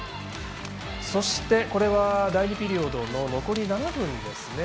そして、第２ピリオドの残り７分です。